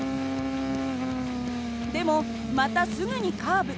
でもまたすぐにカーブ。